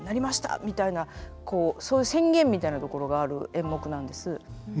みたいなそういう宣言みたいなところがある演目なんです。